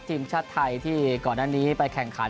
ทีมชาติไทยที่ก่อนหน้านี้ไปแข่งขัน